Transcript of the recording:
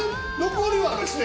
残りはですね